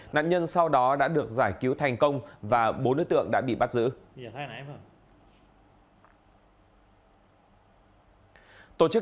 nạn nhân sau đó đã được giải cứu thành công và bốn đối tượng đã bị bắt giữ